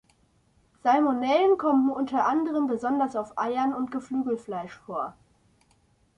Salmonellen kommen unter anderem besonders auf Eiern und Geflügelfleisch vor.